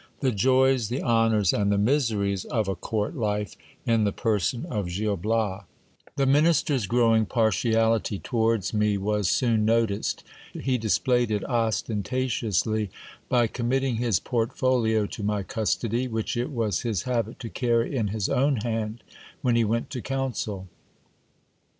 — The joys, tlie honours, and the miseries of a court life, in the person of Gil Bias. The minister s growing partiality towards me was soon noticed. He displayed it ostentatiously, by committing his portfolio to my custody, which it was his habit to carry in his own hand when he went to council.